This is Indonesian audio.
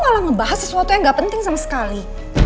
malah ngebahas sesuatu yang gak penting sama sekali